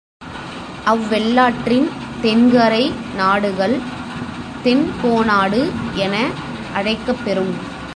அவ்வெள்ளாற்றின் தென்கரை நாடுகள் தென்கோனாடு என அழைக்கப் பெறும்.